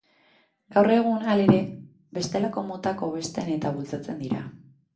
Gaur egun, halere, bestelako motak hobesten eta bultzatzen dira.